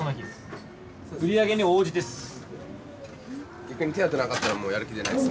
そうっす。